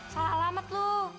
salah alamat lo